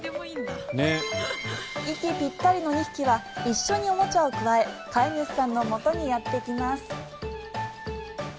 息ピッタリの２匹は一緒におもちゃをくわえ飼い主さんのもとにやってきます。